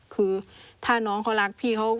คือถ้าน้องเขารักพี่เขา